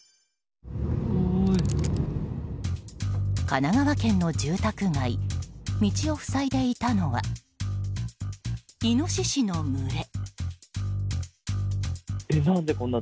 神奈川県の住宅街道を塞いでいたのはイノシシの群れ。